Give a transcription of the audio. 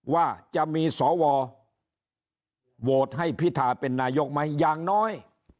ว่าจะมีสวโหวตให้พิธาเป็นนายกไหมอย่างน้อย